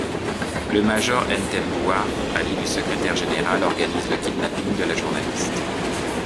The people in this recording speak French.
Le Major Ntembua, allié du secrétaire général, organise le kidnapping de la journaliste...